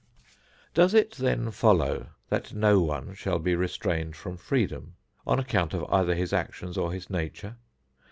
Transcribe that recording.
Does it then follow that no one shall be restrained from freedom on account of either his actions or his nature?